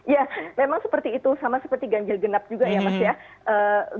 ya memang seperti itu sama seperti ganjil genap juga ya mas ya